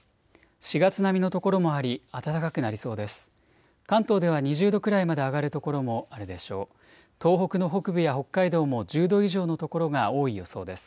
４月並みの所もあり暖かくなりそうです。